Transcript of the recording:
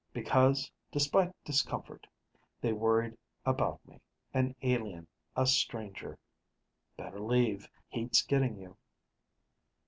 Because, despite discomfort, they worried about me, an alien, a stranger. "Better leave. Heat's getting you."